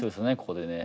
ここでね。